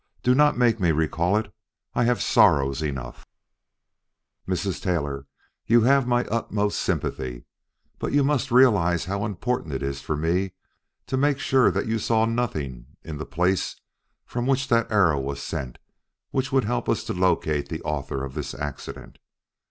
Do not make me recall it. I have sorrows enough " "Mrs. Taylor, you have my utmost sympathy. But you must realize how important it is for me to make sure that you saw nothing in the place from which that arrow was sent which would help us to locate the author of this accident.